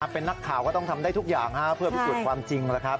เป็นนักข่าวก็ต้องทำได้ทุกอย่างเพื่อพิสูจน์ความจริงแล้วครับ